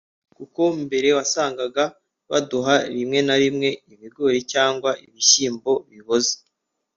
Kuko mbere wasanaga baduha rimwe na rimwe ibigori cyanwa ibishyimbo biboze